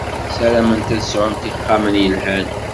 Sarament ad sɛunt ixxamen yelhan.